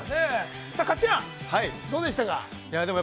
さあ、かっちゃん、どうでしたか。